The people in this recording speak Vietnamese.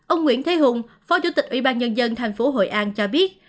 ông nguyễn thế hùng phó chủ tịch ủy ban nhân dân thành phố hội an cho biết